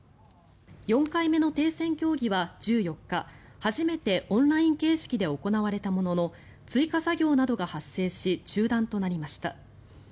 ４回目の停戦協議は１４日初めてオンライン形式で行われたものの追加作業などが発生し中断となりました。